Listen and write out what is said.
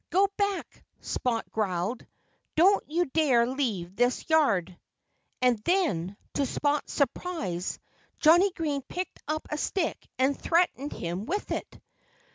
"Go back!" Spot growled. "Don't you dare leave this yard!" And then, to Spot's surprise, Johnnie Green picked up a stick and threatened him with it.